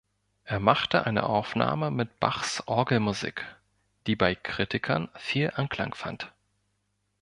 Er machte eine Aufnahme mit Bachs Orgelmusik, die bei Kritikern viel Anklang fand.